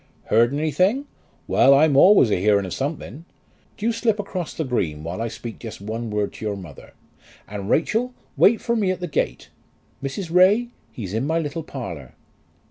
"Heard anything? Well; I'm always a hearing of something. Do you slip across the green while I speak just one word to your mother. And Rachel, wait for me at the gate. Mrs. Ray, he's in my little parlour."